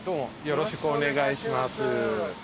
よろしくお願いします。